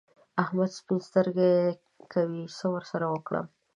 احمد سپين سترګي کوي؛ څه ور سره وکړم؟!